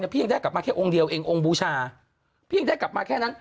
พี่ยังได้กลับมาแค่องค์เดียวเององค์บูชาพี่ยังได้กลับมาแค่นั้น